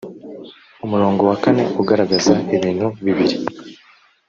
umurongo wa kane ugaragaza ibintu bibiri